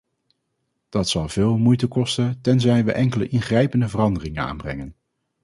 Dat zal veel moeite kosten, tenzij we enkele ingrijpende veranderingen aanbrengen.